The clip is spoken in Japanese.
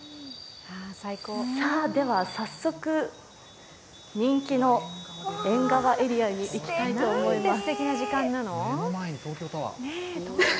では、早速人気の縁側エリアに行きたいと思います。